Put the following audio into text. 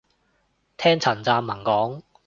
聽陳湛文講